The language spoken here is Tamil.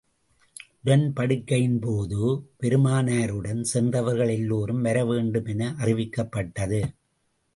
உடன்படிக்கையின் போது, பெருமானாருடன் சென்றவர்கள் எல்லோரும் வர வேண்டும் என அறிவிக்கப்பட்டது.